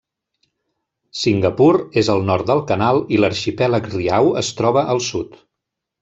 Singapur és al nord del canal i l'arxipèlag Riau es troba al sud.